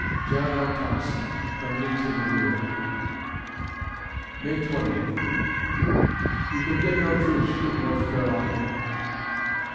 JOHN R. THOMPSON (From "Lee to the Rear") May Twentieth You can get no troops from North Carolina.